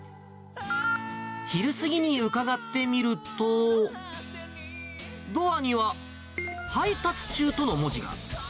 昼過ぎに伺ってみると、ドアには配達中との文字が。